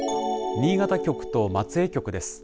新潟局と松江局です。